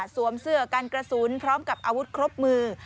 เสื้อกันกระสุนพร้อมกับอาวุธครบมือ